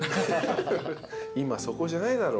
今そこじゃないだろ。